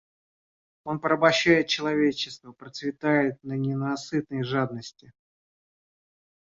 Он порабощает человечество, процветает на ненасытной жадности.